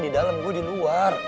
di dalam gue di luar